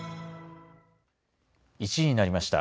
１時になりました。